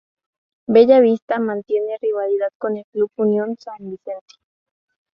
Bella Vista mantiene rivalidad con el club Unión San Vicente.